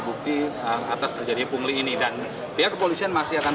bukti atas terjadi pungli ini dan pihak kepolisian masih akan